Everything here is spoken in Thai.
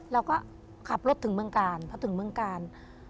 เราก็ขับรถถึงเมืองกาลพอถึงเมืองกาล